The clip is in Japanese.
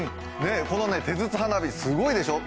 この手筒花火、すごいでしょう。